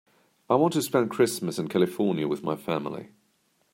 I want to spend Christmas in California with my family.